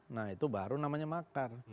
nah itu baru namanya makar